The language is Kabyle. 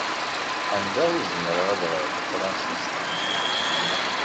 Anda i zemreɣ ad ɣreɣ Tafransist?